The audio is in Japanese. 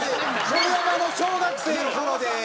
盛山の小学生の頃です。